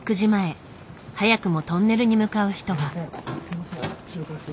早くもトンネルに向かう人が。